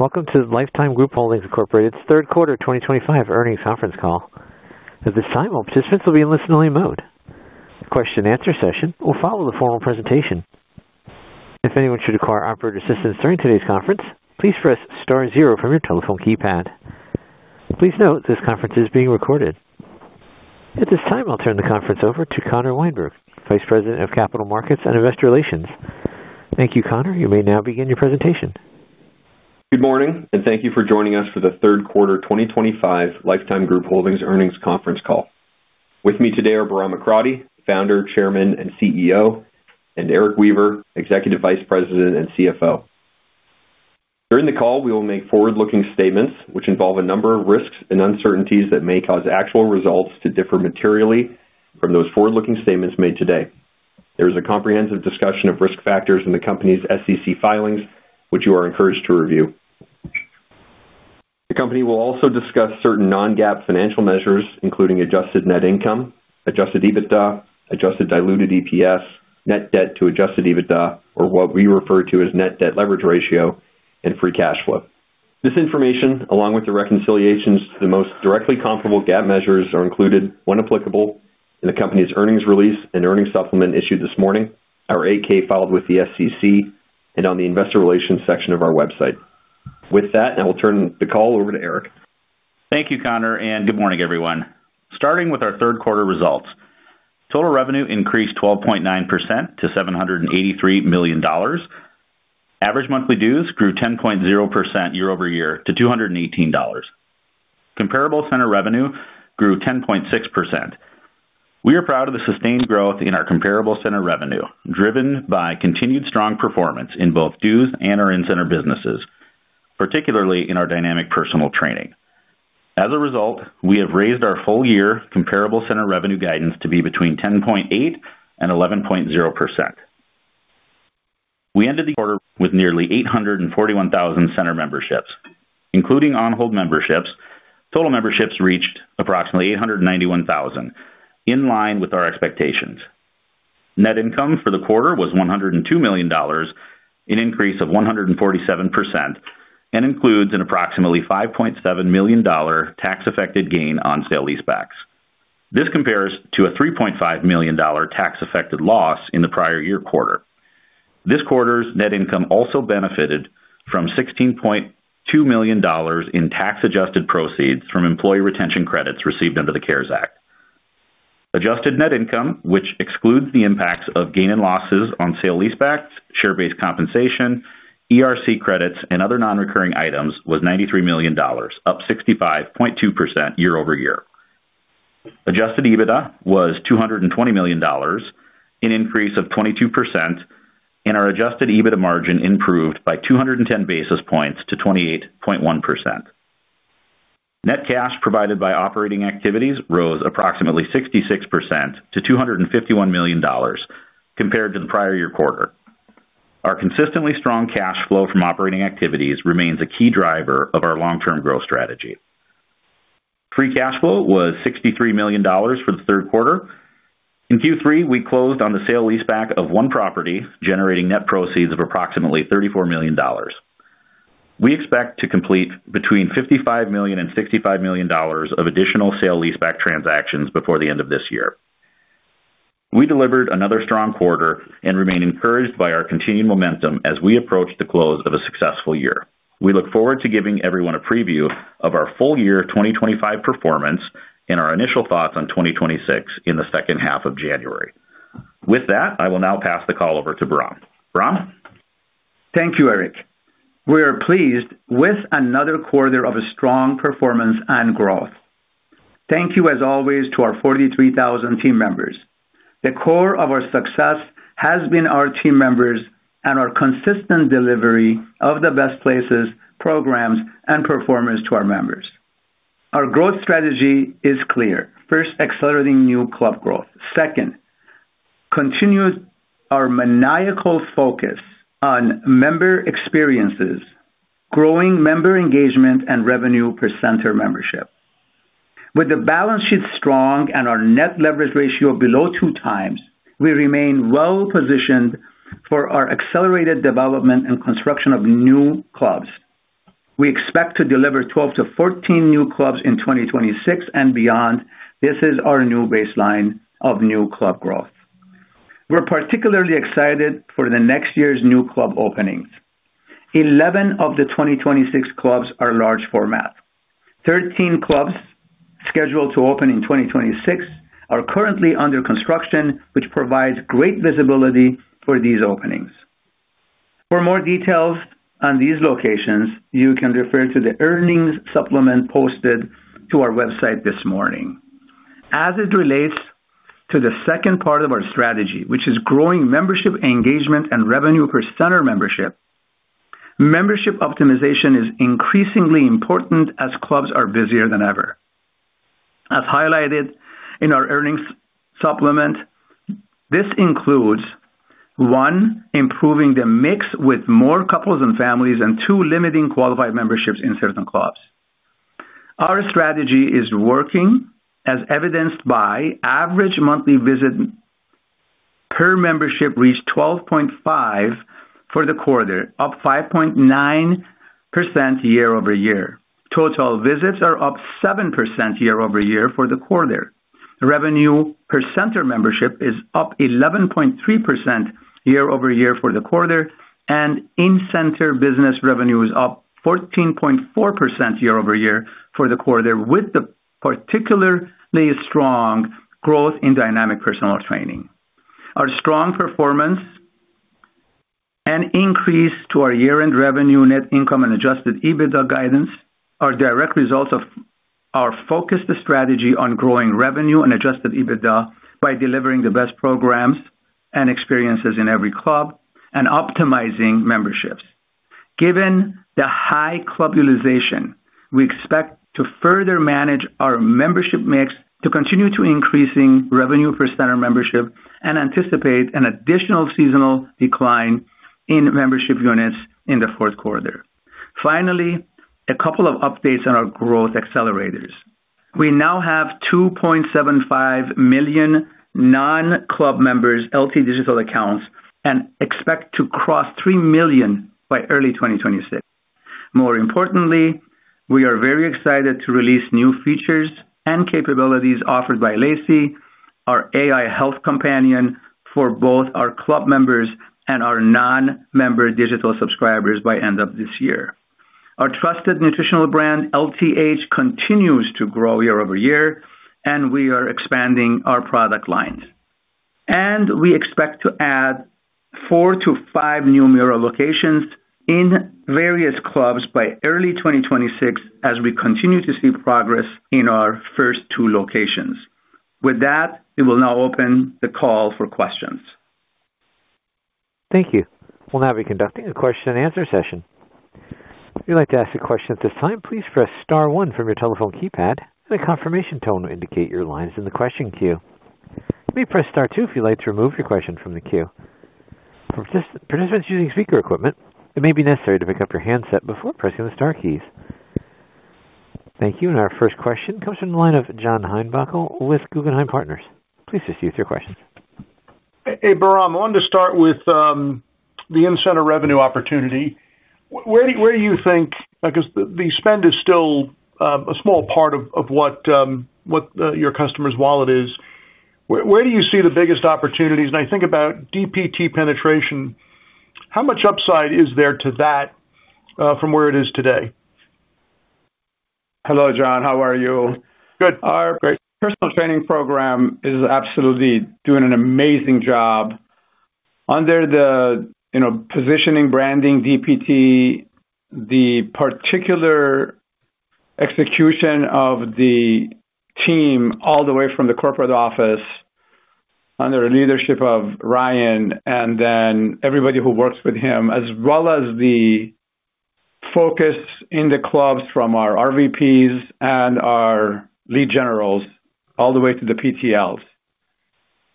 Welcome to the Life Time Group Holdings Incorporated's third quarter 2025 earnings conference call. At this time, all participants will be in listen-only mode. The question-and-answer session will follow the formal presentation. If anyone should require operator assistance during today's conference, please press star zero from your telephone keypad. Please note this conference is being recorded. At this time, I'll turn the conference over to Connor Wienberg, Vice President of Capital Markets and Investor Relations. Thank you, Connor. You may now begin your presentation. Good morning, and thank you for joining us for the third quarter 2025 Life Time Group Holdings earnings conference call. With me today are Bahram Akradi, Founder, Chairman, and CEO, and Erik Weaver, Executive Vice President and CFO. During the call, we will make forward-looking statements which involve a number of risks and uncertainties that may cause actual results to differ materially from those forward-looking statements made today. There is a comprehensive discussion of risk factors in the company's SEC filings, which you are encouraged to review. The company will also discuss certain non-GAAP financial measures, including adjusted net income, adjusted EBITDA, adjusted diluted EPS, net debt to adjusted EBITDA, or what we refer to as net debt leverage ratio, and free cash flow. This information, along with the reconciliations to the most directly comparable GAAP measures, are included, when applicable, in the company's earnings release and earnings supplement issued this morning, our 8-K filed with the SEC, and on the investor relations section of our website. With that, I will turn the call over to Erik. Thank you, Connor, and good morning, everyone. Starting with our third quarter results, total revenue increased 12.9% to $783 million. Average monthly dues grew 10.0% year-over-year to $218. Comparable center revenue grew 10.6%. We are proud of the sustained growth in our comparable center revenue, driven by continued strong performance in both dues and our in-center businesses, particularly in our Dynamic Personal Training. As a result, we have raised our full-year comparable center revenue guidance to be between 10.8% and 11.0%. We ended the quarter with nearly 841,000 center memberships. Including on-hold memberships, total memberships reached approximately 891,000, in line with our expectations. Net income for the quarter was $102 million, an increase of 147%, and includes an approximately $5.7 million tax-affected gain on sale-leasebacks. This compares to a $3.5 million tax-affected loss in the prior year quarter. This quarter's net income also benefited from $16.2 million in tax-adjusted proceeds from employee retention credits received under the CARES Act. Adjusted net income, which excludes the impacts of gain and losses on sale-leasebacks, share-based compensation, ERC credits, and other non-recurring items, was $93 million, up 65.2% year-over-year. Adjusted EBITDA was $220 million, an increase of 22%, and our adjusted EBITDA margin improved by 210 basis points to 28.1%. Net cash provided by operating activities rose approximately 66% to $251 million, compared to the prior year quarter. Our consistently strong cash flow from operating activities remains a key driver of our long-term growth strategy. Free cash flow was $63 million for the third quarter. In Q3, we closed on the sale-leaseback of one property, generating net proceeds of approximately $34 million. We expect to complete between $55 million-$65 million of additional sale-leaseback transactions before the end of this year. We delivered another strong quarter and remain encouraged by our continued momentum as we approach the close of a successful year. We look forward to giving everyone a preview of our full-year 2025 performance and our initial thoughts on 2026 in the second half of January. With that, I will now pass the call over to Bahram. Bahram? Thank you, Erik. We are pleased with another quarter of strong performance and growth. Thank you, as always, to our 43,000 team members. The core of our success has been our team members and our consistent delivery of the best places, programs, and performance to our members. Our growth strategy is clear: first, accelerating new club growth; second, continuing our maniacal focus on member experiences, growing member engagement, and revenue per center membership. With the balance sheet strong and our net leverage ratio below two times, we remain well-positioned for our accelerated development and construction of new clubs. We expect to deliver 12-14 new clubs in 2026 and beyond. This is our new baseline of new club growth. We're particularly excited for the next year's new club openings. 11 of the 2026 clubs are large format. 13 clubs scheduled to open in 2026 are currently under construction, which provides great visibility for these openings. For more details on these locations, you can refer to the earnings supplement posted to our website this morning. As it relates to the second part of our strategy, which is growing membership engagement and revenue per center membership. Membership optimization is increasingly important as clubs are busier than ever. As highlighted in our earnings supplement, this includes one, improving the mix with more couples and families, and two, limiting qualified memberships in certain clubs. Our strategy is working, as evidenced by average monthly visits per membership reached 12.5 for the quarter, up 5.9% year-over-year. Total visits are up 7% year-over-year for the quarter. Revenue per center membership is up 11.3% year-over-year for the quarter, and in-center business revenue is up 14.4% year-over-year for the quarter, with the particularly strong growth in dynamic personal training. Our strong performance and increase to our year-end revenue, net income, and adjusted EBITDA guidance are direct results of our focused strategy on growing revenue and adjusted EBITDA by delivering the best programs and experiences in every club and optimizing memberships. Given the high club utilization, we expect to further manage our membership mix to continue increasing revenue per center membership and anticipate an additional seasonal decline in membership units in the fourth quarter. Finally, a couple of updates on our growth accelerators. We now have 2.75 million non-club members' LT digital accounts and expect to cross 3 million by early 2026. More importantly, we are very excited to release new features and capabilities offered by L•AI•C, our AI health companion for both our club members and our non-member digital subscribers by the end of this year. Our trusted nutritional brand, LTH, continues to grow year-over-year, and we are expanding our product lines and we expect to add 4-5 new MURA locations in various clubs by early 2026 as we continue to see progress in our first two locations. With that, we will now open the call for questions. Thank you. We'll now be conducting a question-and-answer session. If you'd like to ask a question at this time, please press star one from your telephone keypad in a confirmation tone to indicate your lines in the question queue. You may press star two if you'd like to remove your question from the queue. For participants using speaker equipment, it may be necessary to pick up your handset before pressing the star keys. Thank you. And our first question comes from the line of John Heinbockel with Guggenheim Partners. Please proceed with your questions. Hey, Bahram, I wanted to start with the in-center revenue opportunity. Where do you think, because the spend is still a small part of what your customers' wallet is, where do you see the biggest opportunities? And I think about DPT penetration. How much upside is there to that from where it is today? Hello, John. How are you? Good. Our personal training program is absolutely doing an amazing job. Under the positioning, branding, DPT, the particular execution of the team all the way from the corporate office under the leadership of Ryan, and then everybody who works with him, as well as the focus in the clubs from our RVPs and our lead generals all the way to the PTLs.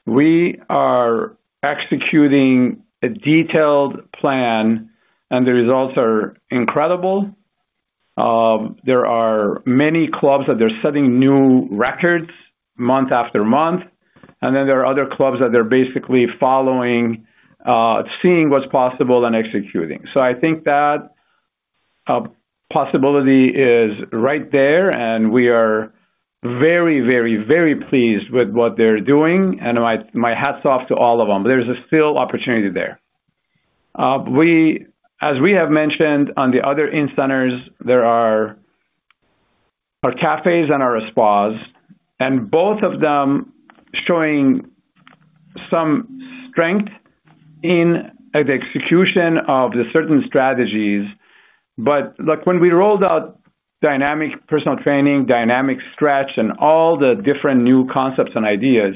We are executing a detailed plan, and the results are incredible. There are many clubs that are setting new records month after month, and then there are other clubs that are basically following, seeing what's possible, and executing. So I think that possibility is right there, and we are very, very, very pleased with what they're doing. And my hats off to all of them. There's still opportunity there. As we have mentioned, on the other in-centers, there are our cafes and our spas, and both of them showing some strength in the execution of certain strategies. But when we rolled out Dynamic Personal Training, dynamic stretch, and all the different new concepts and ideas,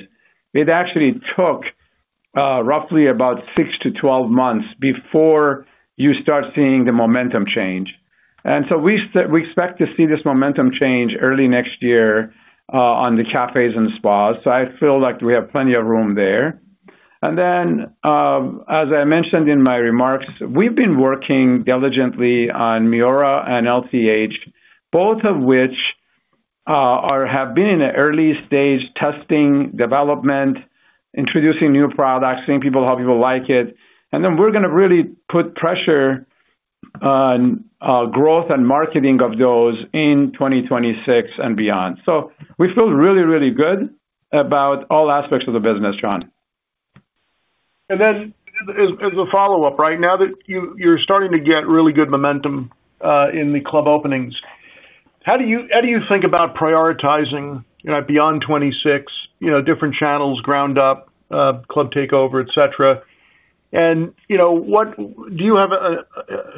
it actually took roughly about six to 12 months before you start seeing the momentum change. And so we expect to see this momentum change early next year on the cafes and spas. So I feel like we have plenty of room there. And then, as I mentioned in my remarks, we've been working diligently on MURA and LTH, both of which have been in the early stage testing, development, introducing new products, seeing how people like it. And then we're going to really put pressure on growth and marketing of those in 2026 and beyond. So we feel really, really good about all aspects of the business, John. And then as a follow-up, right now that you're starting to get really good momentum in the club openings, how do you think about prioritizing beyond 2026, different channels, ground-up, club takeover, et cetera? And do you have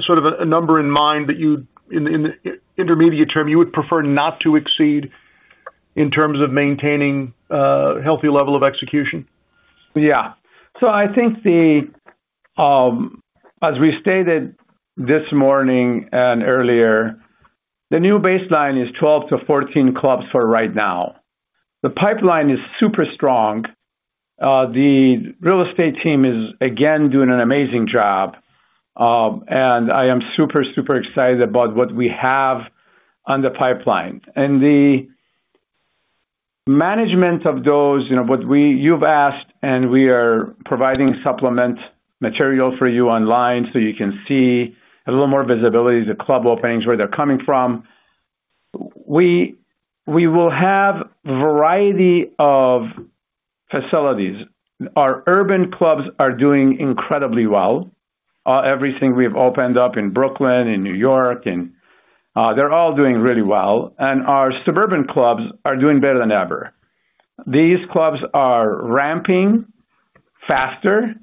sort of a number in mind that you, in the intermediate term, you would prefer not to exceed in terms of maintaining a healthy level of execution? Yeah, so I think as we stated this morning and earlier, the new baseline is 12 to 14 clubs for right now. The pipeline is super strong. The real estate team is, again, doing an amazing job. I am super, super excited about what we have on the pipeline. The management of those, what you've asked, and we are providing supplement material for you online so you can see a little more visibility of the club openings, where they're coming from. We will have a variety of facilities. Our urban clubs are doing incredibly well. Everything we've opened up in Brooklyn, in New York, and they're all doing really well. Our suburban clubs are doing better than ever. These clubs are ramping faster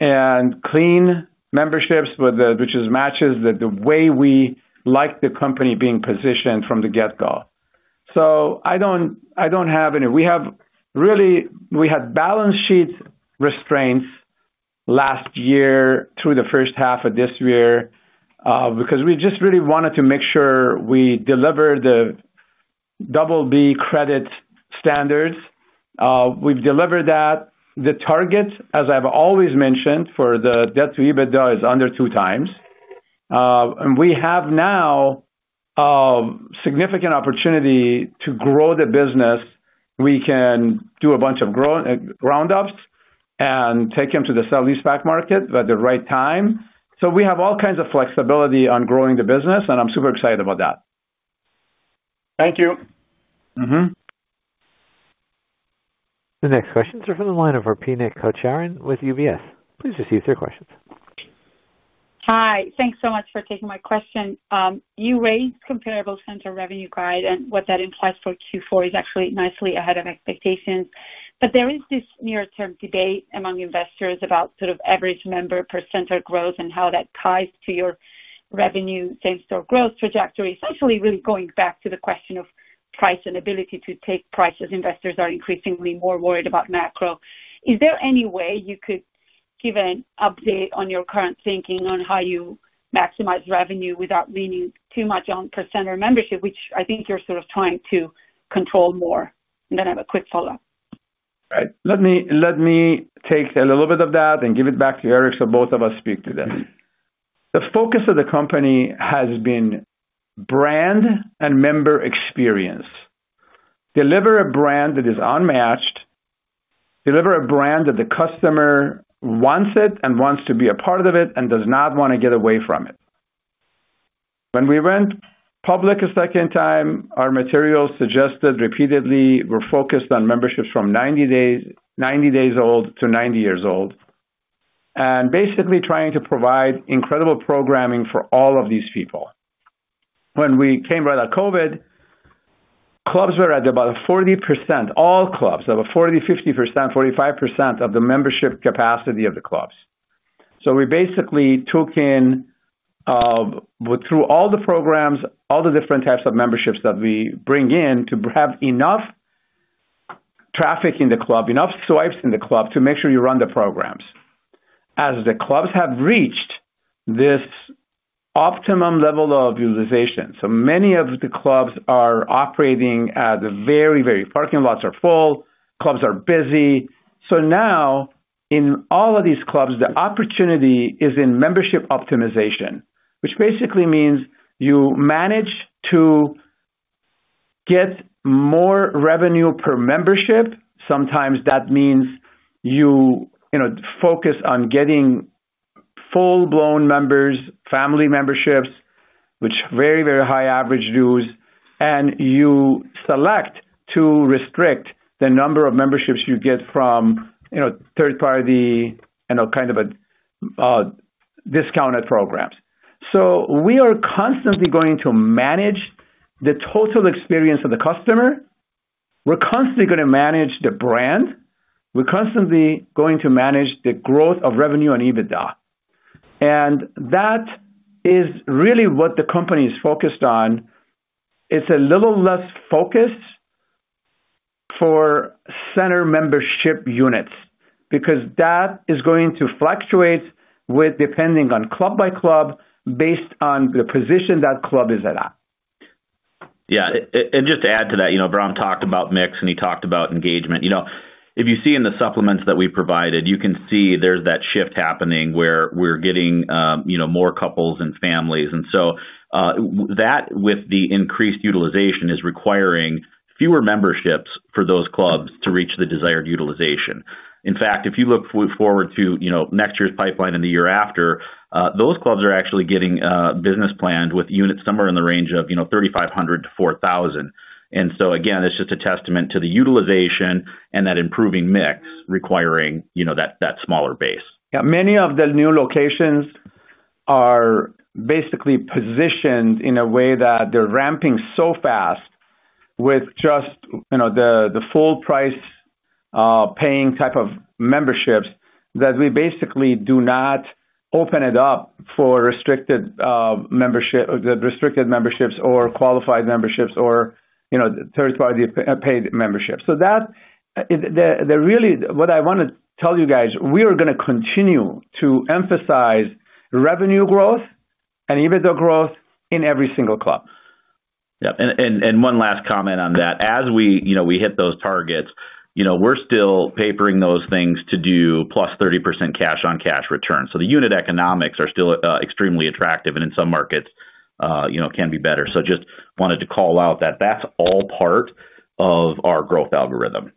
and clean memberships, which matches the way we like the company being positioned from the get-go. We really had balance sheet restraints last year through the first half of this year because we just really wanted to make sure we deliver the BB credit standards. We've delivered that. The target, as I've always mentioned, for the debt-to-EBITDA is under two times. We have now a significant opportunity to grow the business. We can do a bunch of roundups and take them to the sale-leaseback market at the right time. We have all kinds of flexibility on growing the business, and I'm super excited about that. Thank you. The next questions are from the line of Arpine Kocharyan with UBS. Please proceed with your questions. Hi. Thanks so much for taking my question. You raised comparable center revenue guide, and what that implies for Q4 is actually nicely ahead of expectations. But there is this near-term debate among investors about sort of average member per center growth and how that ties to your revenue same-store growth trajectory, essentially really going back to the question of price and ability to take price as investors are increasingly more worried about macro. Is there any way you could give an update on your current thinking on how you maximize revenue without leaning too much on per center membership, which I think you're sort of trying to control more? And then I have a quick follow-up. Right. Let me take a little bit of that and give it back to Erik, so both of us speak to that. The focus of the company has been brand and member experience. Deliver a brand that is unmatched. Deliver a brand that the customer wants and wants to be a part of it and does not want to get away from it. When we went public a second time, our materials suggested repeatedly were focused on memberships from 90 days old to 90 years old. And basically trying to provide incredible programming for all of these people. When we came right out of COVID. Clubs were at about 40%, all clubs, about 40%, 50%, 45% of the membership capacity of the clubs. So we basically took in through all the programs, all the different types of memberships that we bring in to have enough traffic in the club, enough swipes in the club to make sure you run the programs. As the clubs have reached this optimum level of utilization, so many of the clubs are operating at the very, very parking lots are full, clubs are busy. So now in all of these clubs, the opportunity is in membership optimization, which basically means you manage to get more revenue per membership. Sometimes that means you focus on getting full-blown members, family memberships, which are very, very high average dues, and you select to restrict the number of memberships you get from third-party kind of discounted programs. So we are constantly going to manage the total experience of the customer. We're constantly going to manage the brand. We're constantly going to manage the growth of revenue and EBITDA. And that is really what the company is focused on. It's a little less focused for center membership units because that is going to fluctuate depending on club by club based on the position that club is at. Yeah. And just to add to that, Bahram talked about mix and he talked about engagement. If you see in the supplements that we provided, you can see there's that shift happening where we're getting more couples and families. And so that with the increased utilization is requiring fewer memberships for those clubs to reach the desired utilization. In fact, if you look forward to next year's pipeline and the year after, those clubs are actually getting business planned with units somewhere in the range of 3,500-4,000. And so, again, it's just a testament to the utilization and that improving mix requiring that smaller base. Yeah. Many of the new locations are basically positioned in a way that they're ramping so fast with just the full-price paying type of memberships that we basically do not open it up for restricted memberships or qualified memberships or third-party paid memberships. So what I want to tell you guys, we are going to continue to emphasize revenue growth and EBITDA growth in every single club. Yeah, and one last comment on that. As we hit those targets, we're still papering those things to do plus 30% cash-on-cash return, so the unit economics are still extremely attractive, and in some markets can be better, so just wanted to call out that that's all part of our growth algorithm.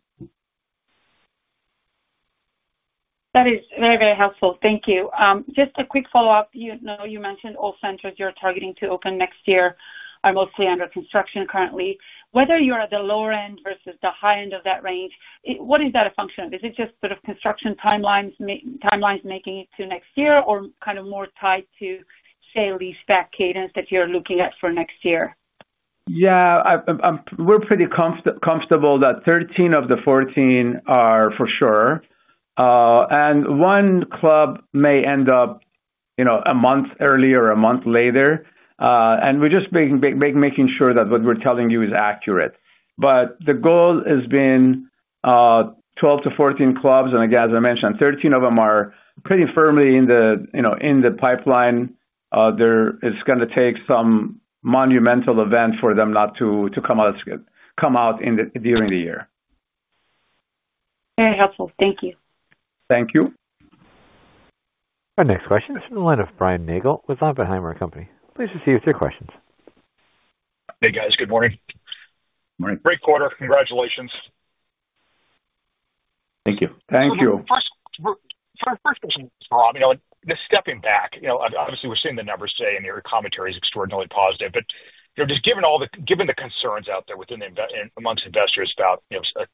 That is very, very helpful. Thank you. Just a quick follow-up. You mentioned all centers you're targeting to open next year are mostly under construction currently. Whether you're at the lower end versus the high end of that range, what is that a function of? Is it just sort of construction timelines making it to next year or kind of more tied to, say, lease back cadence that you're looking at for next year? Yeah. We're pretty comfortable that 13 of the 14 are for sure. And one club may end up a month earlier or a month later. And we're just making sure that what we're telling you is accurate. But the goal has been 12 to 14 clubs. And again, as I mentioned, 13 of them are pretty firmly in the pipeline. It's going to take some monumental event for them not to come out during the year. Very helpful. Thank you. Thank you. Our next question is from the line of Brian Nagel with Oppenheimer & Co. Please proceed with your questions. Hey, guys. Good morning. Morning. Great quarter. Congratulations. Thank you. Thank you. First question, Bahram, stepping back, obviously, we're seeing the numbers today, and your commentary is extraordinarily positive. But just given the concerns out there amongst investors about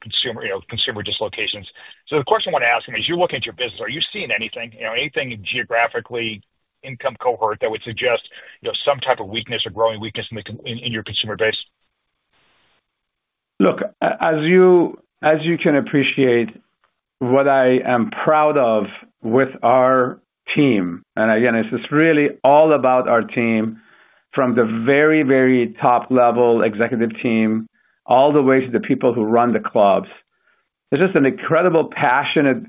consumer dislocations, so the question I want to ask you is, as you look at your business, are you seeing anything, anything geographically, income cohort that would suggest some type of weakness or growing weakness in your consumer base? Look, as you can appreciate, what I am proud of with our team, and again, it's really all about our team, from the very, very top-level executive team all the way to the people who run the clubs. There's just an incredible passionate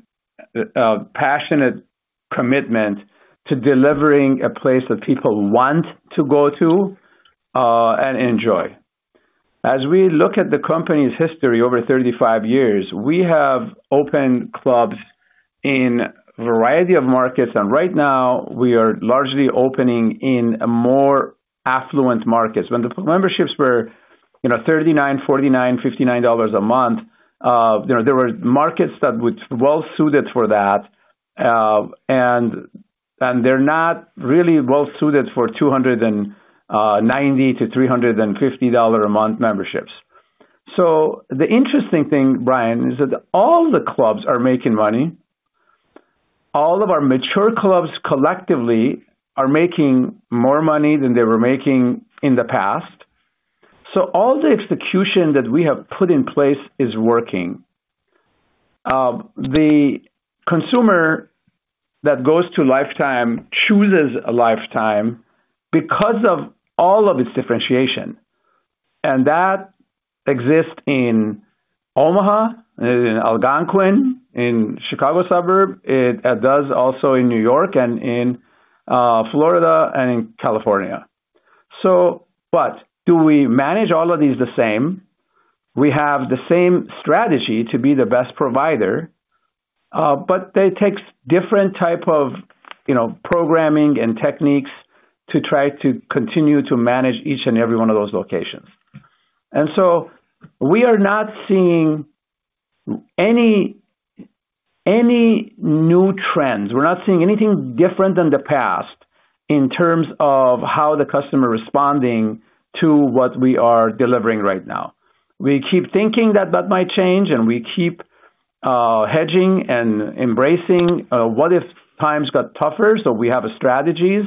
commitment to delivering a place that people want to go to and enjoy. As we look at the company's history over 35 years, we have opened clubs in a variety of markets, and right now, we are largely opening in more affluent markets. When the memberships were $39, $49, $59 a month, there were markets that were well-suited for that, and they're not really well-suited for $290-$350 a month memberships. So the interesting thing, Brian, is that all the clubs are making money. All of our mature clubs collectively are making more money than they were making in the past, so all the execution that we have put in place is working. The consumer that goes to Lifetime chooses Lifetime because of all of its differentiation, and that exists in Omaha, in Algonquin, in the Chicago suburb. It does also in New York and in Florida and in California. But do we manage all of these the same? We have the same strategy to be the best provider, but they take different types of programming and techniques to try to continue to manage each and every one of those locations, and so we are not seeing any new trends. We're not seeing anything different than the past. In terms of how the customer is responding to what we are delivering right now, we keep thinking that that might change, and we keep hedging and embracing what if times got tougher, so we have strategies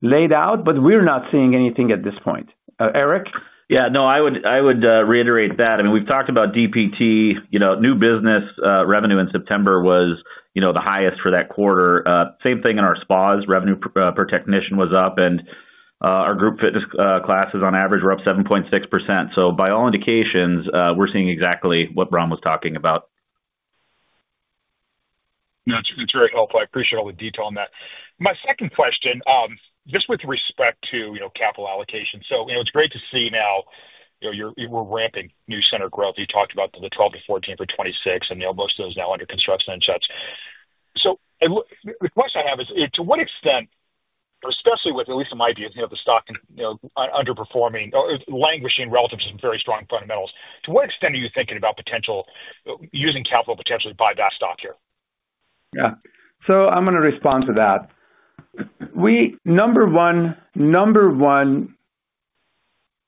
laid out, but we're not seeing anything at this point. Erik? Yeah. No, I would reiterate that. I mean, we've talked about DPT. New business revenue in September was the highest for that quarter. Same thing in our spas. Revenue per technician was up. And our group fitness classes, on average, were up 7.6%. So by all indications, we're seeing exactly what Bahram was talking about. That's very helpful. I appreciate all the detail on that. My second question, just with respect to capital allocation. So it's great to see now. We're ramping new center growth. You talked about the 12-14 for 2026, and most of those are now under construction and such. So. The question I have is, to what extent. Especially with at least in my view, the stock underperforming or languishing relative to some very strong fundamentals, to what extent are you thinking about using capital potentially to buy that stock here? Yeah. So I'm going to respond to that. Number one.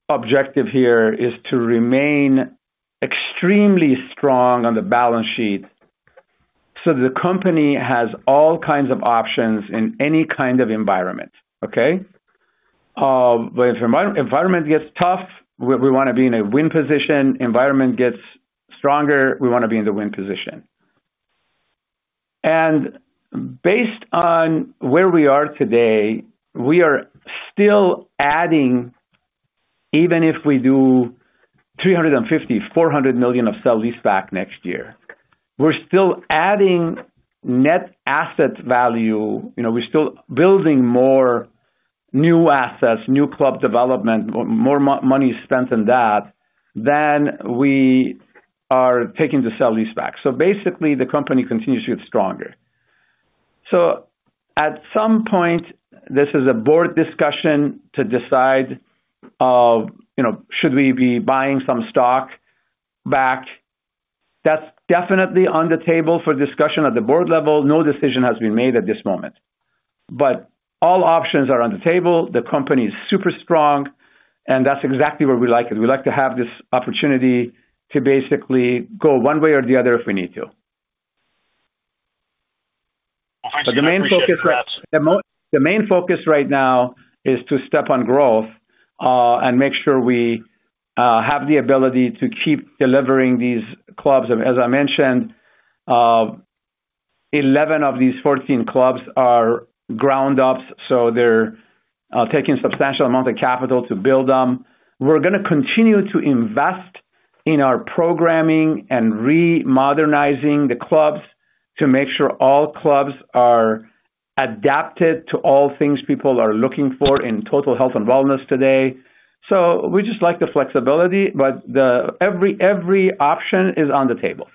The objective here is to remain extremely strong on the balance sheet. So that the company has all kinds of options in any kind of environment. Okay? But if the environment gets tough, we want to be in a win position. The environment gets stronger, we want to be in the win position. And based on where we are today, we are still adding. Even if we do $350 million, $400 million of sale-leaseback next year, we're still adding net asset value. We're still building more new assets, new club development, more money spent on that than we are taking to sale-leaseback. So basically, the company continues to get stronger. So at some point, this is a board discussion to decide should we be buying some stock back. That's definitely on the table for discussion at the board level. No decision has been made at this moment. But all options are on the table. The company is super strong, and that's exactly where we like it. We like to have this opportunity to basically go one way or the other if we need to. Thanks for sharing that. But the main focus right now is to step on growth and make sure we have the ability to keep delivering these clubs. As I mentioned, 11 of these 14 clubs are ground-up, so they're taking a substantial amount of capital to build them. We're going to continue to invest in our programming and remodernizing the clubs to make sure all clubs are adapted to all things people are looking for in total health and wellness today. So we just like the flexibility, but every option is on the table.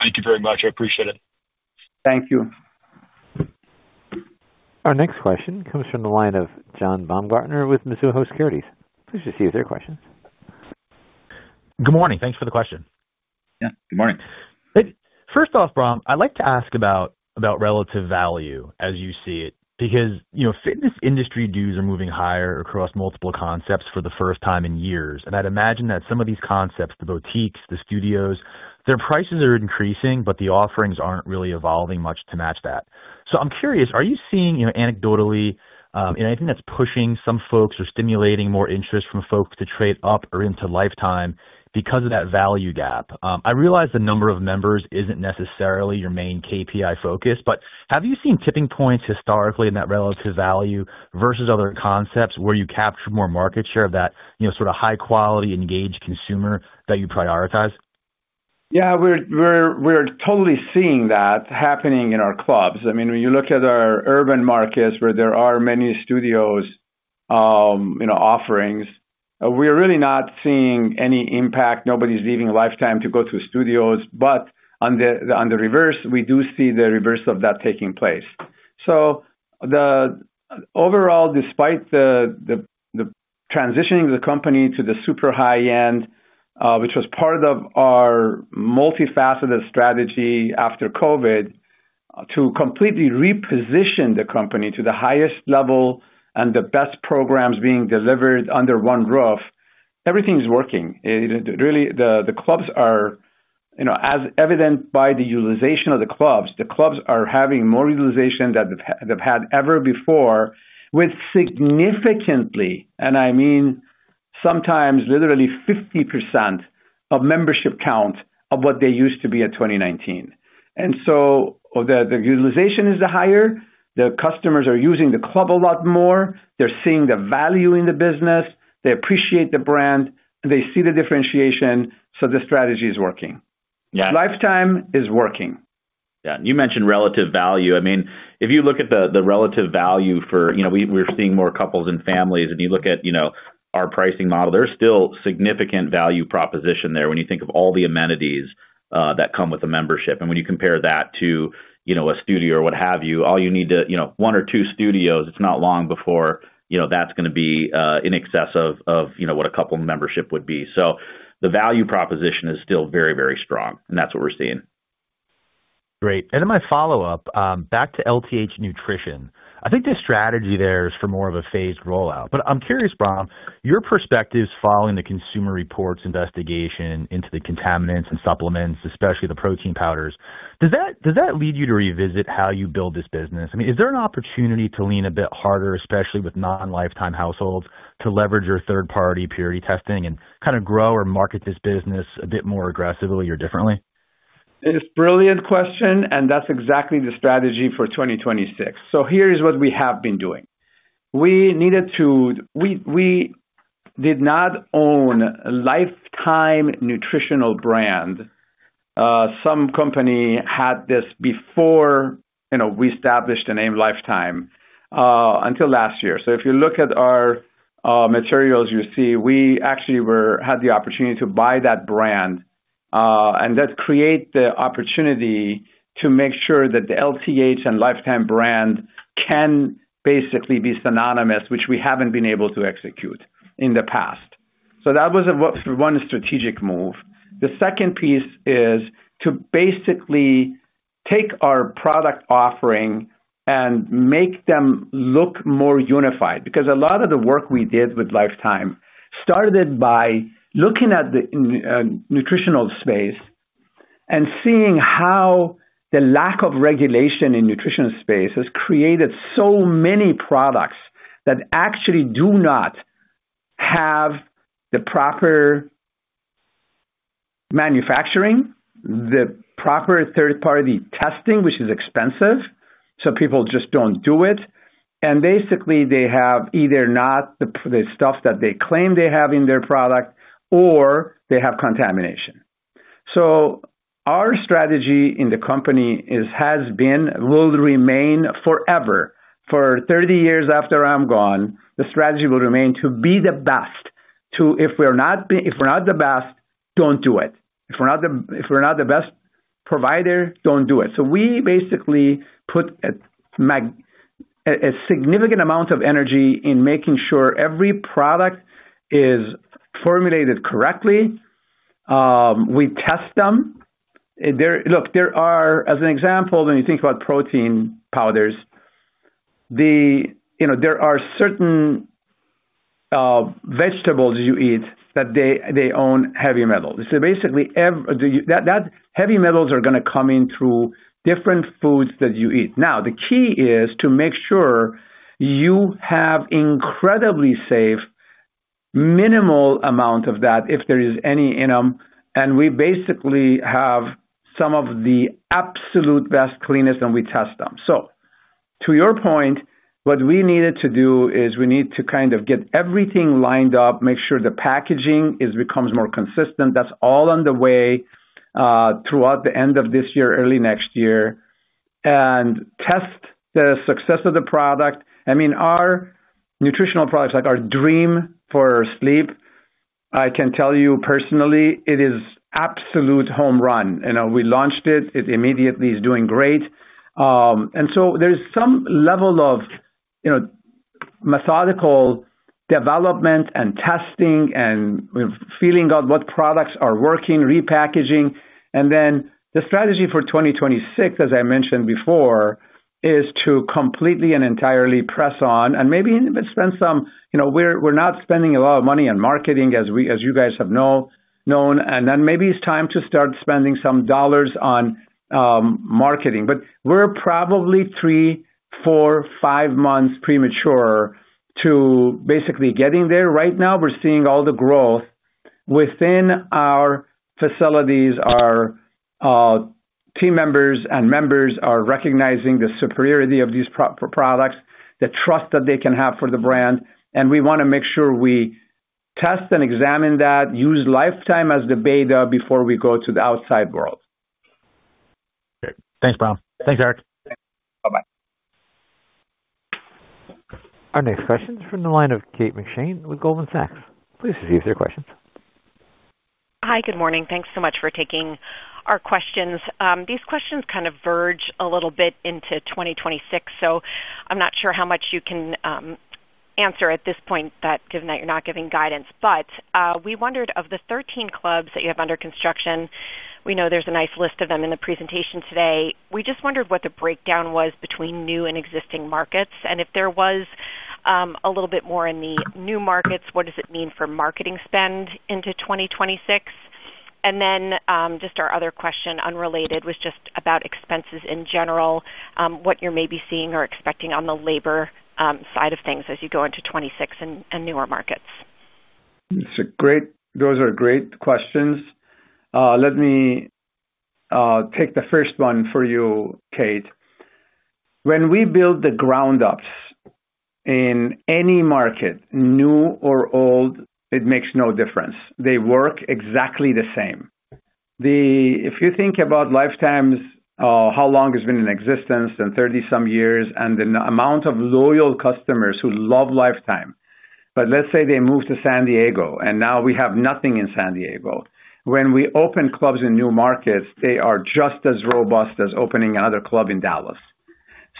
Thank you very much. I appreciate it. Thank you. Our next question comes from the line of John Baumgartner with Mizuho Securities. Please proceed with your questions. Good morning. Thanks for the question. Yeah. Good morning. First off, Bahram, I'd like to ask about relative value as you see it because fitness industry dues are moving higher across multiple concepts for the first time in years, and I'd imagine that some of these concepts, the boutiques, the studios, their prices are increasing, but the offerings aren't really evolving much to match that, so I'm curious, are you seeing anecdotally anything that's pushing some folks or stimulating more interest from folks to trade up or into Life Time because of that value gap? I realize the number of members isn't necessarily your main KPI focus, but have you seen tipping points historically in that relative value versus other concepts where you capture more market share of that sort of high-quality engaged consumer that you prioritize? Yeah. We're totally seeing that happening in our clubs. I mean, when you look at our urban markets where there are many studios offerings, we're really not seeing any impact. Nobody's leaving Life Time to go to studios. But on the reverse, we do see the reverse of that taking place. So. Overall, despite the transitioning the company to the super high-end, which was part of our multifaceted strategy after COVID, to completely reposition the company to the highest level and the best programs being delivered under one roof, everything's working. Really, the clubs are, as evident by the utilization of the clubs, the clubs are having more utilization than they've had ever before with significantly, and I mean sometimes literally 50% of membership count of what they used to be at 2019. And so. The utilization is higher. The customers are using the club a lot more. They're seeing the value in the business. They appreciate the brand. They see the differentiation. So the strategy is working. Life Time is working. Yeah. And you mentioned relative value. I mean, if you look at the relative value that we're seeing more couples and families. And you look at our pricing model, there's still significant value proposition there when you think of all the amenities that come with a membership. And when you compare that to a studio or what have you, all you need is one or two studios, it's not long before that's going to be in excess of what a couple membership would be. So the value proposition is still very, very strong, and that's what we're seeing. Great, and then my follow-up, back to LTH Nutrition. I think the strategy there is for more of a phased rollout. But I'm curious, Bahram, your perspective's following the Consumer Reports investigation into the contaminants and supplements, especially the protein powders. Does that lead you to revisit how you build this business? I mean, is there an opportunity to lean a bit harder, especially with non-Life Time households, to leverage your third-party purity testing and kind of grow or market this business a bit more aggressively or differently? It's a brilliant question, and that's exactly the strategy for 2026. So here is what we have been doing. We needed to. We did not own Life Time Nutritional brand. Some company had this before. We established the name Life Time. Until last year. So if you look at our. Materials, you see we actually had the opportunity to buy that brand. And that created the opportunity to make sure that the LTH and Life Time brand can basically be synonymous, which we haven't been able to execute in the past. So that was one strategic move. The second piece is to basically take our product offering and make them look more unified because a lot of the work we did with Life Time started by looking at the nutritional space. And seeing how. The lack of regulation in the nutritional space has created so many products that actually do not. Have the proper. Manufacturing, the proper third-party testing, which is expensive, so people just don't do it. And basically, they have either not the stuff that they claim they have in their product or they have contamination. So. Our strategy in the company has been will remain forever. For 30 years after I'm gone, the strategy will remain to be the best. If we're not the best, don't do it. If we're not the best provider, don't do it. So we basically put. A significant amount of energy in making sure every product is formulated correctly. We test them. Look, there are, as an example, when you think about protein powders. There are certain. Vegetables you eat that they contain heavy metals. So basically. Those heavy metals are going to come in through different foods that you eat. Now, the key is to make sure. You have incredibly safe, minimal amount of that if there is any in them. And we basically have some of the absolute best cleanest, and we test them. So to your point, what we needed to do is we need to kind of get everything lined up, make sure the packaging becomes more consistent. That's all on the way. Throughout the end of this year, early next year, and test the success of the product. I mean, our nutritional products, like our Dream for Sleep. I can tell you personally, it is absolute home run. We launched it. It immediately is doing great. And so there's some level of. Methodical. Development and testing and feeling out what products are working, repackaging. And then the strategy for 2026, as I mentioned before, is to completely and entirely press on and maybe even spend some. We're not spending a lot of money on marketing, as you guys have known. And then maybe it's time to start spending some dollars on. Marketing. But we're probably three, four, five months premature to basically getting there. Right now, we're seeing all the growth within our facilities. Our. Team members and members are recognizing the superiority of these products, the trust that they can have for the brand. And we want to make sure we test and examine that, use Life Time as the beta before we go to the outside world. Great. Thanks, Bahram. Thanks, Erik. Bye-bye. Our next question is from the line of Kate McShane with Goldman Sachs. Please proceed with your questions. Hi. Good morning. Thanks so much for taking our questions. These questions kind of verge a little bit into 2026, so I'm not sure how much you can answer at this point given that you're not giving guidance. But we wondered, of the 13 clubs that you have under construction, we know there's a nice list of them in the presentation today. We just wondered what the breakdown was between new and existing markets and if there was a little bit more in the new markets, what does it mean for marketing spend into 2026. And then just our other question unrelated was just about expenses in general, what you're maybe seeing or expecting on the labor side of things as you go into 2026 and newer markets. Those are great questions. Let me take the first one for you, Kate. When we build the ground-ups in any market, new or old, it makes no difference. They work exactly the same. If you think about Life Time's how long it's been in existence and 30-some years and the amount of loyal customers who love Life Time, but let's say they moved to San Diego, and now we have nothing in San Diego. When we open clubs in new markets, they are just as robust as opening another club in Dallas.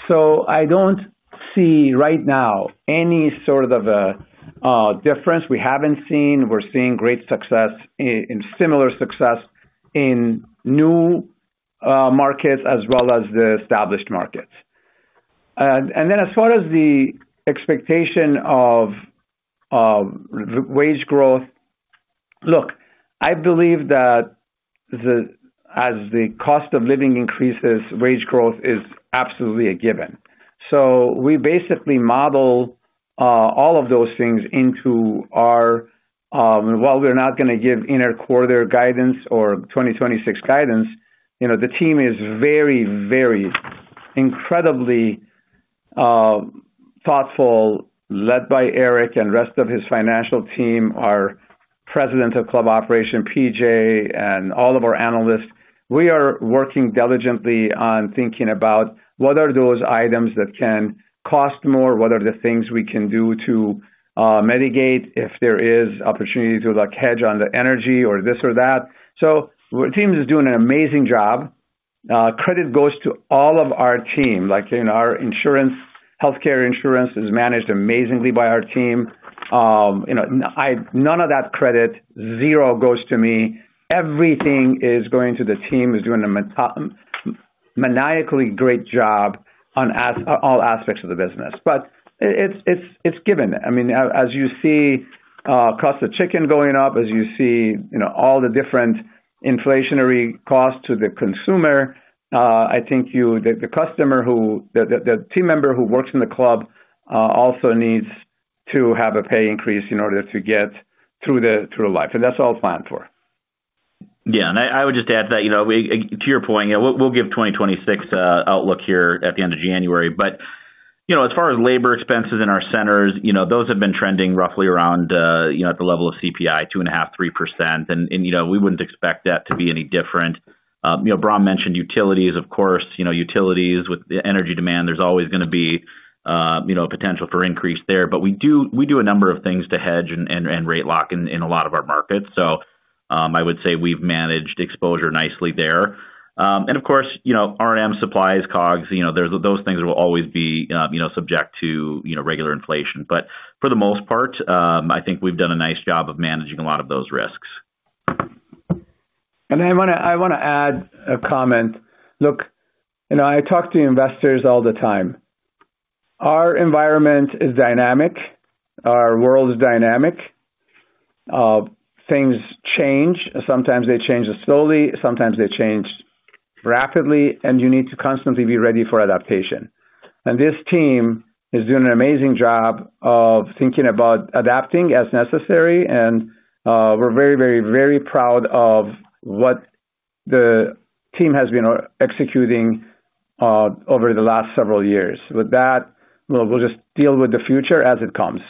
So I don't see right now any sort of difference. We haven't seen. We're seeing great success and similar success in new markets as well as the established markets. And then as far as the expectation of wage growth. Look, I believe that as the cost of living increases, wage growth is absolutely a given. So we basically model all of those things into our. While we're not going to give interquarter guidance or 2026 guidance, the team is very, very incredibly thoughtful, led by Erik and the rest of his financial team, our president of club operation, PJ, and all of our analysts. We are working diligently on thinking about what are those items that can cost more, what are the things we can do to mitigate if there is opportunity to hedge on the energy or this or that. So the team is doing an amazing job. Credit goes to all of our team. Our healthcare insurance is managed amazingly by our team. None of that credit, zero, goes to me. Everything is going to the team who's doing a maniacally great job on all aspects of the business. But it's given. I mean, as you see cost of chicken going up, as you see all the different inflationary costs to the consumer, I think the customer, the team member who works in the club also needs to have a pay increase in order to get through life. And that's all planned for. Yeah. And I would just add to that, to your point, we'll give 2026 outlook here at the end of January. But as far as labor expenses in our centers, those have been trending roughly around at the level of CPI, 2.5%-3%. And we wouldn't expect that to be any different. Bahram mentioned utilities, of course. Utilities with the energy demand, there's always going to be a potential for increase there. But we do a number of things to hedge and rate lock in a lot of our markets. So I would say we've managed exposure nicely there. And of course, R&M, supplies, COGS, those things will always be subject to regular inflation. But for the most part, I think we've done a nice job of managing a lot of those risks. And I want to add a comment. Look, I talk to investors all the time. Our environment is dynamic. Our world is dynamic. Things change. Sometimes they change slowly. Sometimes they change rapidly. And you need to constantly be ready for adaptation. And this team is doing an amazing job of thinking about adapting as necessary. And we're very, very, very proud of what the team has been executing over the last several years. With that, we'll just deal with the future as it comes.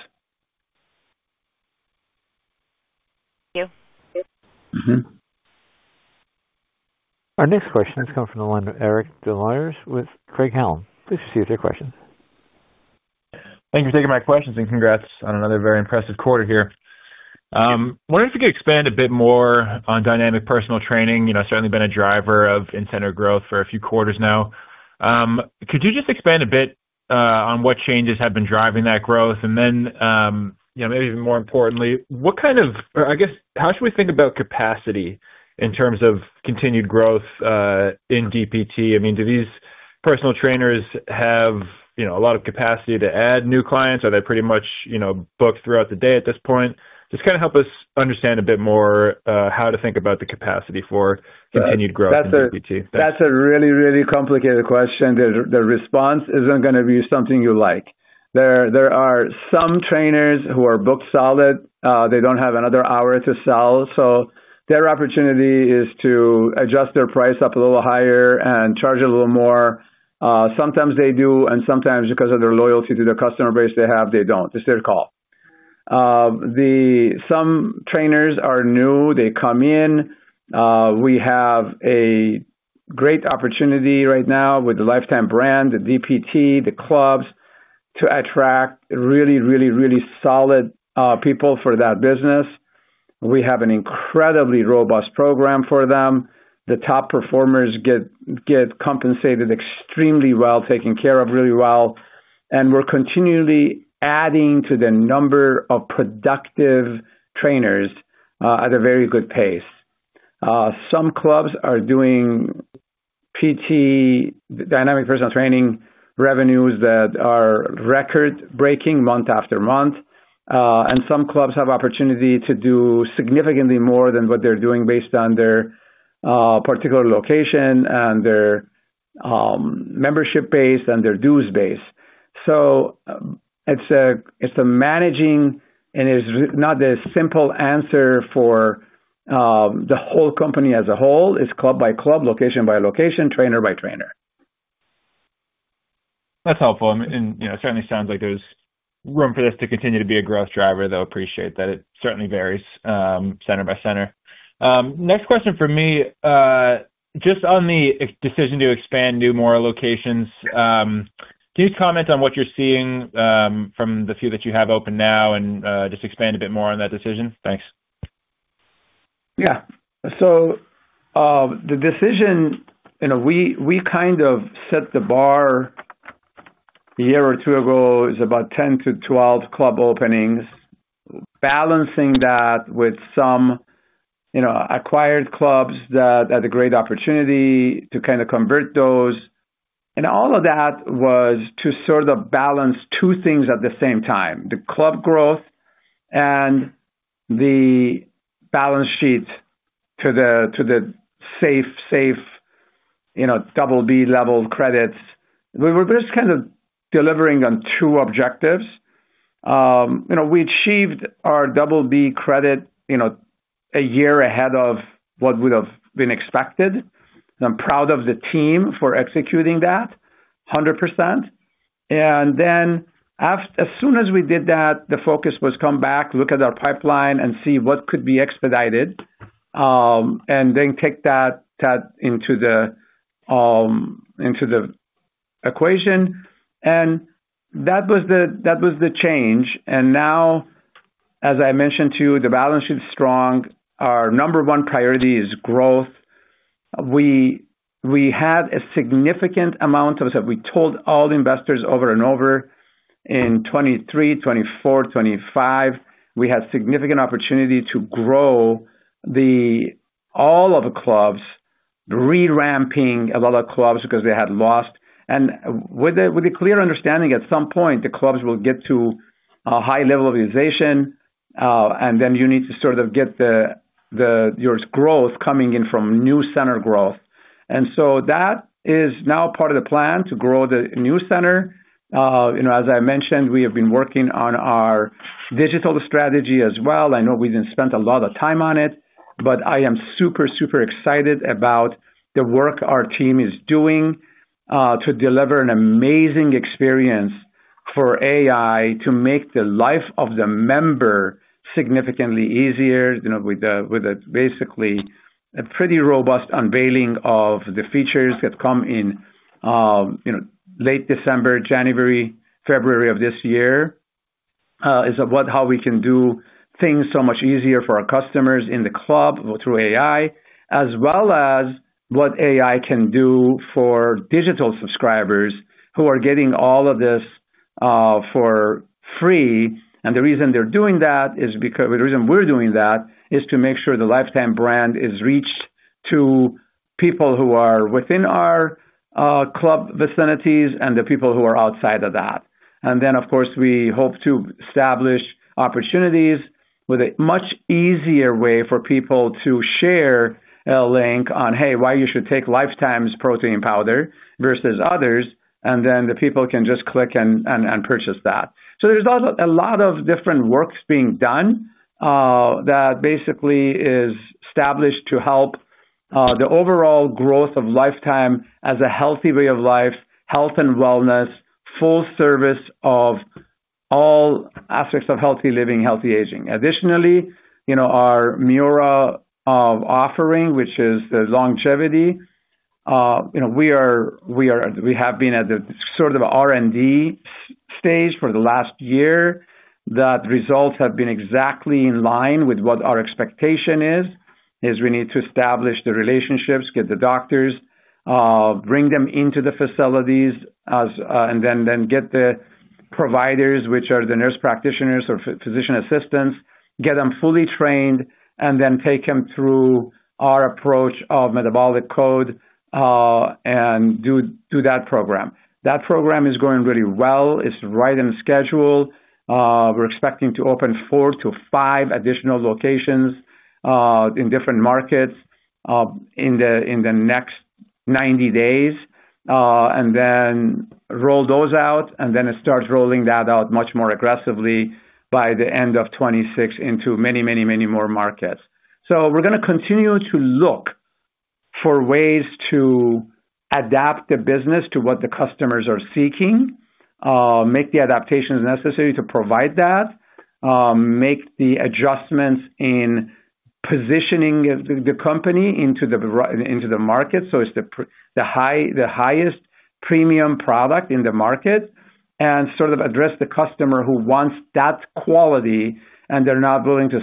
Thank you. Our next question has come from the line of Eric Des Lauriers. Please proceed with your questions. Thank you for taking my questions, and congrats on another very impressive quarter here. Wondering if we could expand a bit more on Dynamic Personal Training. Certainly been a driver of in-center growth for a few quarters now. Could you just expand a bit on what changes have been driving that growth? And then. Maybe even more importantly, what kind of, or I guess, how should we think about capacity in terms of continued growth. In DPT? I mean, do these personal trainers have a lot of capacity to add new clients? Are they pretty much booked throughout the day at this point? Just kind of help us understand a bit more how to think about the capacity for continued growth in DPT. That's a really, really complicated question. The response isn't going to be something you like. There are some trainers who are booked solid. They don't have another hour to sell. So their opportunity is to adjust their price up a little higher and charge a little more. Sometimes they do, and sometimes, because of their loyalty to the customer base they have, they don't. It's their call. Some trainers are new. They come in. We have a great opportunity right now with the Life Time brand, the DPT, the clubs, to attract really, really, really solid people for that business. We have an incredibly robust program for them. The top performers get compensated extremely well, taken care of really well. And we're continually adding to the number of productive trainers at a very good pace. Some clubs are doing Dynamic Personal Training revenues that are record-breaking month after month. And some clubs have the opportunity to do significantly more than what they're doing based on their particular location and their membership base and their dues base. So. It's a managing, and it's not the simple answer for the whole company as a whole. It's club by club, location by location, trainer by trainer. That's helpful. And it certainly sounds like there's room for this to continue to be a growth driver, though. Appreciate that it certainly varies center by center. Next question for me. Just on the decision to expand new, more locations. Can you comment on what you're seeing from the few that you have open now and just expand a bit more on that decision? Thanks. Yeah. So. The decision. We kind of set the bar a year or two ago. It was about 10 to 12 club openings, balancing that with some acquired clubs that had a great opportunity to kind of convert those. And all of that was to sort of balance two things at the same time: the club growth and the balance sheet to a safe BB level credits. We were just kind of delivering on two objectives. We achieved our BB credit a year ahead of what would have been expected. I'm proud of the team for executing that 100%. And then as soon as we did that, the focus was to come back, look at our pipeline, and see what could be expedited. And then take that into the equation. And that was the change. And now as I mentioned to you, the balance sheet is strong. Our number one priority is growth. We had a significant amount of—we told all the investors over and over in 2023, 2024, 2025, we had significant opportunity to grow all of the clubs. Re-ranking a lot of clubs because they had lost. And with a clear understanding at some point, the clubs will get to a high level of utilization. And then you need to sort of get your growth coming in from new center growth. And so that is now part of the plan to grow the new center. As I mentioned, we have been working on our digital strategy as well. I know we didn't spend a lot of time on it, but I am super, super excited about the work our team is doing to deliver an amazing experience for AI to make the life of the member significantly easier with basically a pretty robust unveiling of the features that come in late December, January, February of this year. Is how we can do things so much easier for our customers in the club through AI, as well as what AI can do for digital subscribers who are getting all of this for free. And the reason they're doing that is because the reason we're doing that is to make sure the Life Time brand is reached to people who are within our club vicinities and the people who are outside of that. And then, of course, we hope to establish opportunities with a much easier way for people to share a link on, "Hey, why you should take Life Time's protein powder versus others," and then the people can just click and purchase that. So there's a lot of different work being done that basically is established to help the overall growth of Life Time as a healthy way of life, health and wellness, full service of all aspects of healthy living, healthy aging. Additionally, our MURA offering, which is the longevity. We have been at the sort of R&D. Stage for the last year that results have been exactly in line with what our expectation is is we need to establish the relationships, get the doctors, bring them into the facilities and then get the providers, which are the nurse practitioners or physician assistants, get them fully trained, and then take them through our approach of metabolic code and do that program. That program is going really well. It's right on schedule. We're expecting to open four to five additional locations in different markets in the next 90 days and then roll those out and then start rolling that out much more aggressively by the end of 2026 into many, many, many more markets so we're going to continue to look for ways to adapt the business to what the customers are seeking. Make the adaptations necessary to provide that. Make the adjustments in positioning the company into the market so it's the highest premium product in the market and sort of address the customer who wants that quality and they're not willing to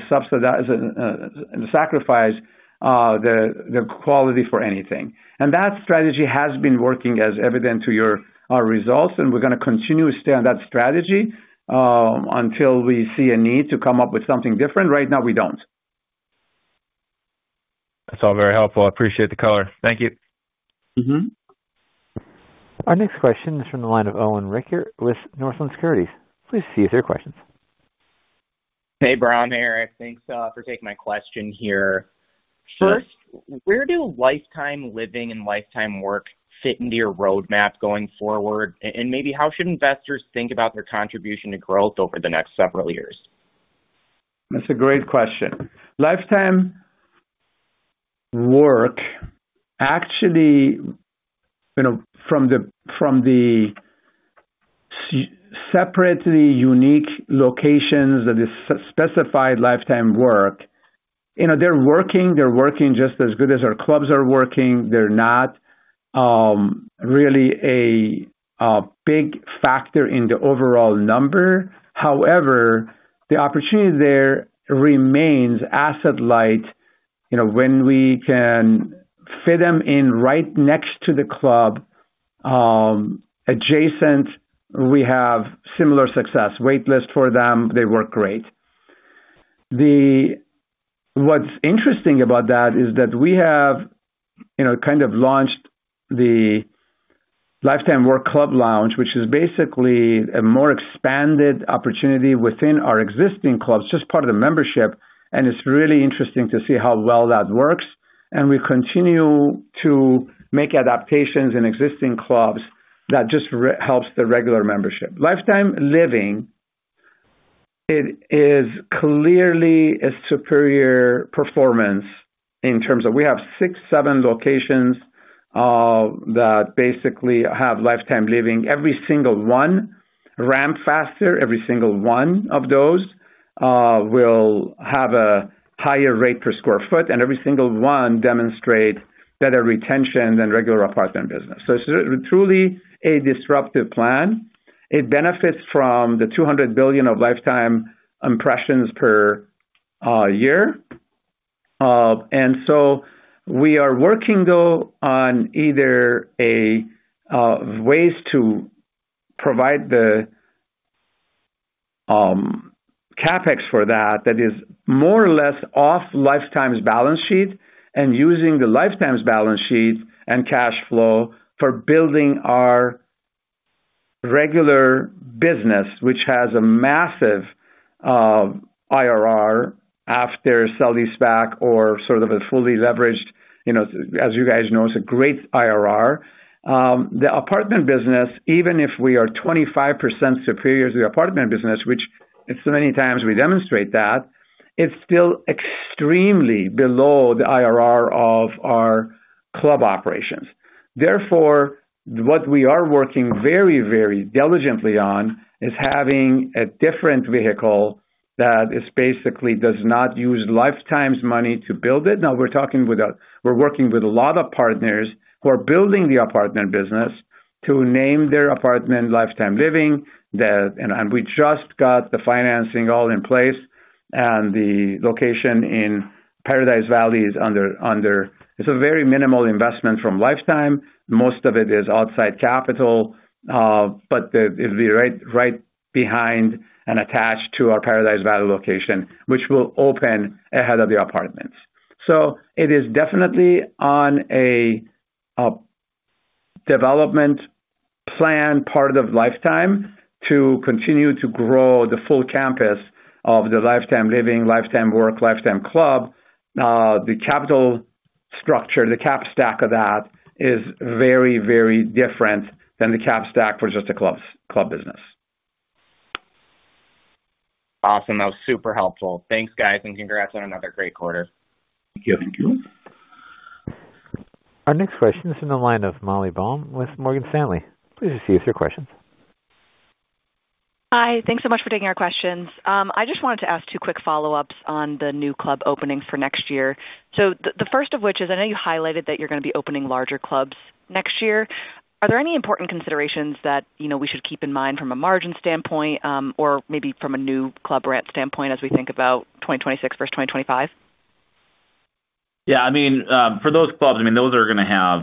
sacrifice the quality for anything and that strategy has been working, as evident to your results, and we're going to continue to stay on that strategy until we see a need to come up with something different right now, we don't. That's all very helpful. I appreciate the color. Thank you. Our next question is from the line of Owen Rickert with Northland Securities. Please see if there are questions. Hey, Owen here. Thanks for taking my question here. First, where do Life Time Living and Life Time Work fit into your roadmap going forward? And maybe how should investors think about their contribution to growth over the next several years? That's a great question. Life Time Work. Actually from the separately unique locations that is specified Life Time Work. They're working. They're working just as good as our clubs are working. They're not really a big factor in the overall number. However, the opportunity there remains asset-light. When we can fit them in right next to the club adjacent, we have similar success waitlist for them. They work great. What's interesting about that is that we have kind of launched the Life Time Work Club Lounge, which is basically a more expanded opportunity within our existing clubs, just part of the membership. And it's really interesting to see how well that works. And we continue to make adaptations in existing clubs that just helps the regular membership. Life Time Living is clearly a superior performance in terms of we have six, seven locations that basically have Life Time Living. Every single one ramp faster. Every single one of those will have a higher rate per square foot. And every single one demonstrates better retention than regular apartment business. So it's truly a disruptive plan. It benefits from the 200 billion of Life Time impressions per year. And so we are working, though, on either ways to provide the CapEx for that that is more or less off Life Time's balance sheet and using the Life Time's balance sheet and cash flow for building our regular business, which has a massive IRR after sale-leaseback or sort of a fully leveraged. As you guys know, it's a great IRR. The apartment business, even if we are 25% superior to the apartment business, which it's so many times we demonstrate that, it's still extremely below the IRR of our club operations. Therefore, what we are working very, very diligently on is having a different vehicle that basically does not use Life Time's money to build it. Now, we're talking with a, we're working with a lot of partners who are building the apartment business to name their apartment Life Time Living. And we just got the financing all in place. And the location in Paradise Valley is under, it's a very minimal investment from Life Time. Most of it is outside capital, but it'll be right behind and attached to our Paradise Valley location, which will open ahead of the apartments. So it is definitely on a development plan part of Life Time to continue to grow the full campus of the Life Time Living, Life Time Work, Life Time Club. The capital structure, the cap stack of that is very, very different than the cap stack for just a club business. Awesome. That was super helpful. Thanks, guys, and congrats on another great quarter. Thank you. Our next question is from the line of Molly Baum with Morgan Stanley. Please see if there are questions. Hi. Thanks so much for taking our questions. I just wanted to ask two quick follow-ups on the new club openings for next year. So the first of which is I know you highlighted that you're going to be opening larger clubs next year. Are there any important considerations that we should keep in mind from a margin standpoint or maybe from a new club rent standpoint as we think about 2026 versus 2025? Yeah. I mean, for those clubs, I mean, those are going to have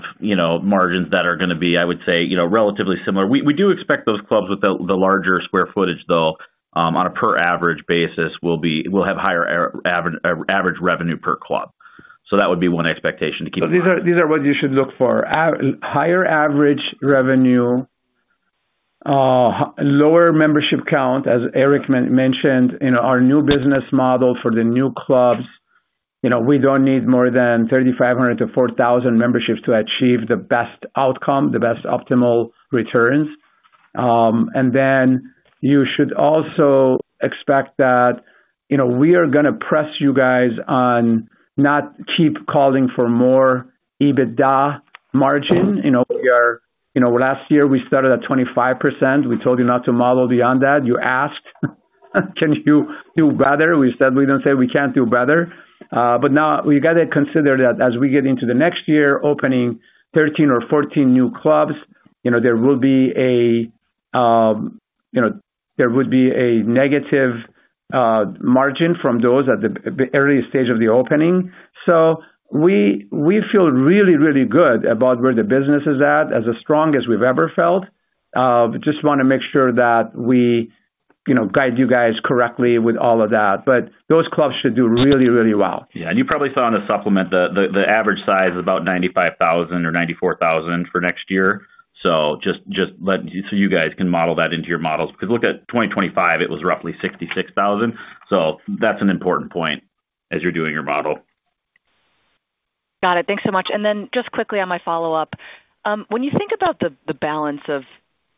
margins that are going to be, I would say, relatively similar. We do expect those clubs with the larger square footage, though, on a per-average basis, will have higher. Average revenue per club. So that would be one expectation to keep in mind. So these are what you should look for: higher average revenue, lower membership count. As Erik mentioned, our new business model for the new clubs. We don't need more than 3,500-4,000 memberships to achieve the best outcome, the best optimal returns, and then you should also expect that. We are going to press you guys on not keep calling for more EBITDA margin. Last year, we started at 25%. We told you not to model beyond that. You asked, "Can you do better?" We said, "We don't say we can't do better," but now you got to consider that as we get into the next year, opening 13 or 14 new clubs, there will be a, there would be a negative margin from those at the early stage of the opening, so we feel really, really good about where the business is at, as strong as we've ever felt. Just want to make sure that we guide you guys correctly with all of that, but those clubs should do really, really well. Yeah. And you probably saw in the supplement that the average size is about 95,000 or 94,000 for next year. So just. So you guys can model that into your models. Because look at 2025, it was roughly 66,000. So that's an important point as you're doing your model. Got it. Thanks so much. And then just quickly on my follow-up. When you think about the balance of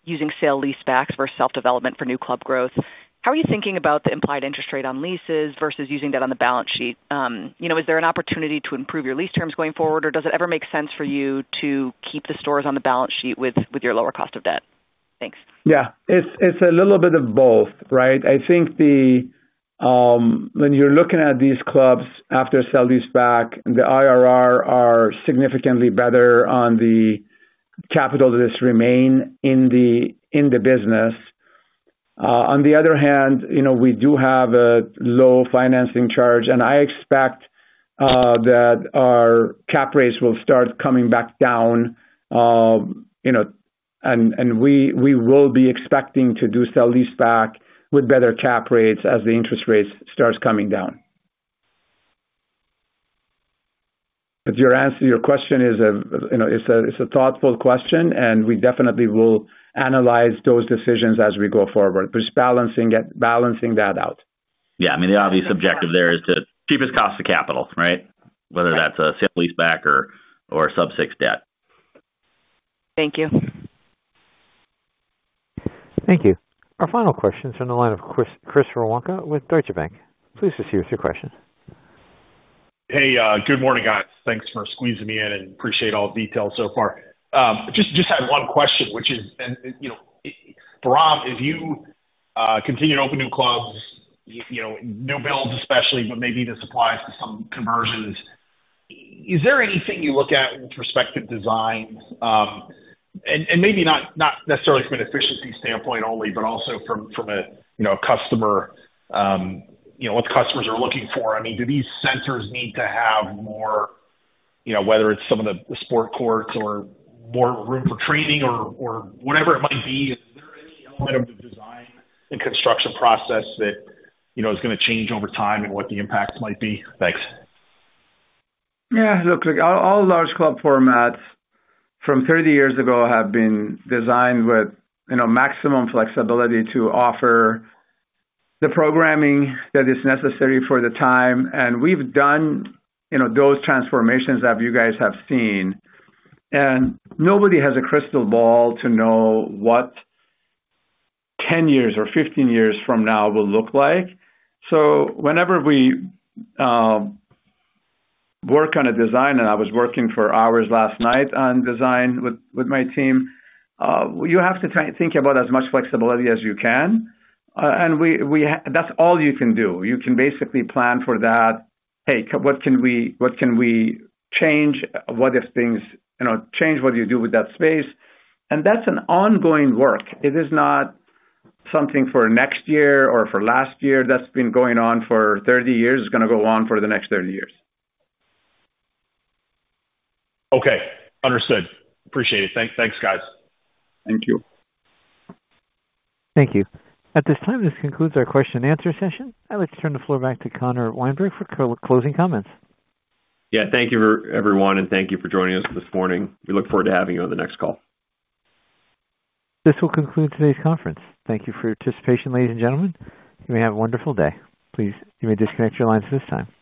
using sale-leasebacks versus self-development for new club growth, how are you thinking about the implied interest rate on leases versus using that on the balance sheet? Is there an opportunity to improve your lease terms going forward, or does it ever make sense for you to keep the stores on the balance sheet with your lower cost of debt? Thanks. Yeah. It's a little bit of both, right? I think when you're looking at these clubs after sale-leaseback, the IRR are significantly better on the capital that is remaining in the business. On the other hand, we do have a low financing charge. And I expect that our cap rates will start coming back down. And we will be expecting to do sale-leaseback with better cap rates as the interest rates start coming down. But your question is a thoughtful question, and we definitely will analyze those decisions as we go forward, just balancing that out. Yeah. I mean, the obvious objective there is to cheapest cost of capital, right? Whether that's a sale-leaseback or sub-6 debt. Thank you. Thank you. Our final question is from the line of Chris Woronka with Deutsche Bank. Please proceed with your question. Hey, good morning, guys. Thanks for squeezing me in and appreciate all the details so far. Just had one question, which is, Bahram, if you continue to open new clubs, new builds especially, but maybe this applies to some conversions. Is there anything you look at with respect to design? And maybe not necessarily from an efficiency standpoint only, but also from a customer, what customers are looking for? I mean, do these centers need to have more, whether it's some of the sport courts or more room for training or whatever it might be? Is there any element of the design and construction process that is going to change over time and what the impacts might be? Thanks. Yeah. Look, all large club formats from 30 years ago have been designed with maximum flexibility to offer the programming that is necessary for the time. And we've done those transformations that you guys have seen. And nobody has a crystal ball to know what 10 years or 15 years from now will look like. So whenever we work on a design, and I was working for hours last night on design with my team, you have to think about as much flexibility as you can. And that's all you can do. You can basically plan for that. Hey, what can we change? What if things change? What do you do with that space? And that's an ongoing work. It is not something for next year or for last year. That's been going on for 30 years. It's going to go on for the next 30 years. Okay. Understood. Appreciate it. Thanks, guys. Thank you. Thank you. At this time, this concludes our question-and-answer session. I would turn the floor back to Connor Wienberg for closing comments. Yeah. Thank you, everyone. And thank you for joining us this morning. We look forward to having you on the next call. This will conclude today's conference. Thank you for your participation, ladies and gentlemen. You may have a wonderful day. Please, you may disconnect your lines at this time.